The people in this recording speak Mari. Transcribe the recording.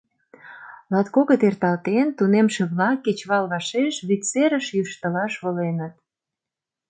Латкокыт эрталтен, тунемше-влак кечывал вашеш вӱд серыш йӱштылаш воленыт.